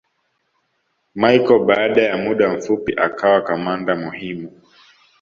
Machel baada ya muda mfupi akawa kamanda muhimu